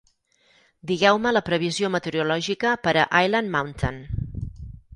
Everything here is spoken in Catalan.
Digueu-me la previsió meteorològica per a Island Mountain.